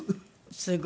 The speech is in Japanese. すごい。